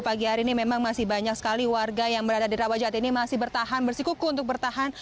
pagi hari ini memang masih banyak sekali warga yang berada di rawajati ini masih bertahan bersikuku untuk bertahan